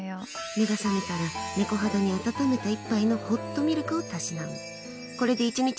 目が覚めたら猫肌に温めた１杯のホットミルクをたしなむ。